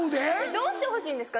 どうしてほしいんですか？